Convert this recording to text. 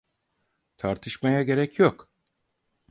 Tartışmaya gerek yok.